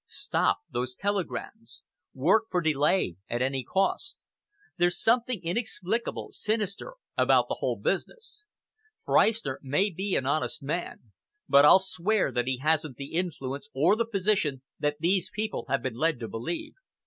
Stop those telegrams. Work for delay at any cost. There's something inexplicable, sinister, about the whole business. Freistner may be an honest man, but I'll swear that he hasn't the influence or the position that these people have been led to believe.